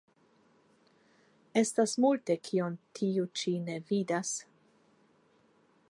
Estas multe, kion tiu ĉi ne vidas.